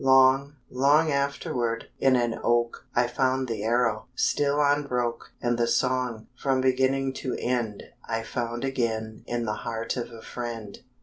Long, long afterward, in an oak I found the arrow, still unbroke; And the song, from beginning to end, I found again in the heart of a friend.